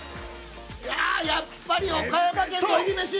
◆やっぱり岡山県のえびめし。